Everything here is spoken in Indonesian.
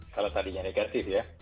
kalau tadinya negatif ya